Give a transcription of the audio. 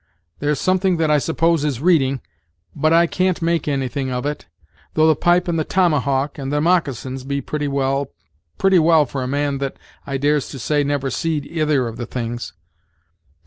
There's something that I suppose is reading; but I can't make anything of it; though the pipe and the tomahawk, and the moccasins, be pretty well pretty well, for a man that, I dares to say, never seed 'ither of the things.